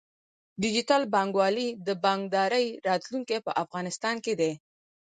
ډیجیټل بانکوالي د بانکدارۍ راتلونکی په افغانستان کې دی۔